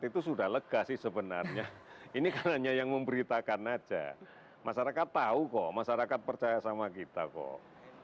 tahu kok masyarakat percaya sama kita kok